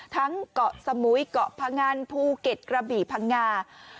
เกาะสมุยเกาะพงันภูเก็ตกระบี่พังงา